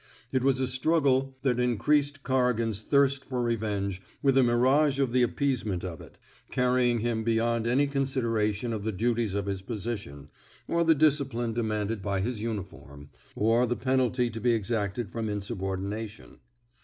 And it was a struggle that increased Corrigan's thirst for revenge with a mirage of the appeasement of it, carrying him beyond any consideration of the duties of his position, or the discipline demanded by his uniform, or the penalty to be exacted from insubordination.